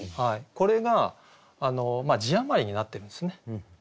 これが字余りになってるんですね。